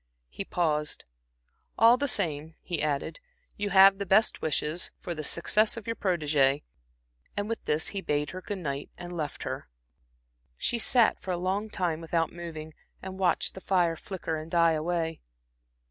He paused. "All the same," he added, "you have the best wishes for the success of your protégée." And with this he bade her good night, and left her. She sat for a long time without moving, and watched the fire flicker and die away.